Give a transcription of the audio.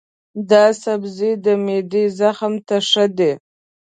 دا سبزی د معدې زخم ته ښه دی.